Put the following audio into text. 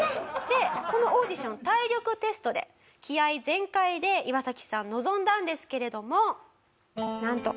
でこのオーディション体力テストで気合全開でイワサキさん臨んだんですけれどもなんと。